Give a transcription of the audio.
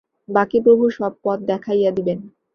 বাকী প্রভু সব পথ দেখাইয়া দিবেন।